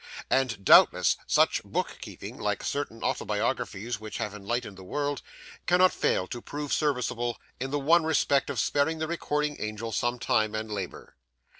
And, doubtless, such book keeping (like certain autobiographies which have enlightened the world) cannot fail to prove serviceable, in the one respect of sparing the recording Angel some time and labour.